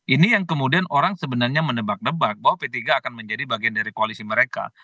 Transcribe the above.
ini yang kemudian orang sebenarnya menebak nebak bahwa p tiga akan menjadi bagian dari koalisi mereka